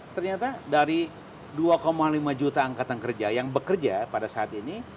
ternyata dari dua lima juta angkatan kerja yang bekerja pada saat ini